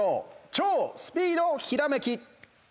超スピードひらめき。